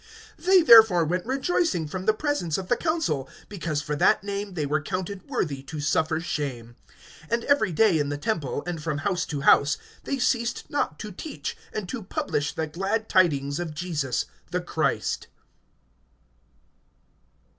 (41)They therefore went rejoicing from the presence of the council, because for that name they were counted worthy to suffer shame. (42)And every day, in the temple, and from house to house, they ceased not to teach, and to publish the glad tidings of Jesus the Christ.